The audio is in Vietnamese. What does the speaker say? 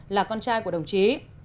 là con trai của đồng chí